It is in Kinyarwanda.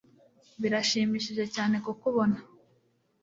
birashimishije cyane kukubona